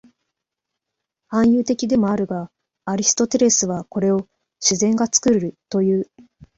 隠喩的でもあるが、アリストテレスはこれを「自然が作る」という。